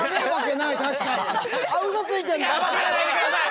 やめてください！